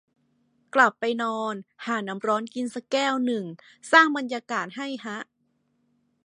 กลับไปนอน หาน้ำร้อนกินสักแก้วนึง สร้างบรรยากาศให้ฮะ